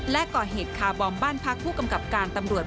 และก่อเหตุคาร์บอมบ้านพักผู้กำกับการตำรวจ